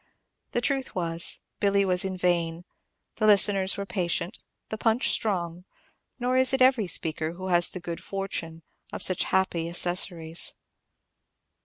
The truth was, Billy was in vein; the listeners were patient, the punch strong: nor is it every speaker who has had the good fortune of such happy accessories.